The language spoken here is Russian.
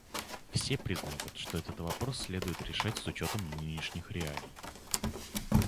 Все признают, что этот вопрос следует решать с учетом нынешних реалий.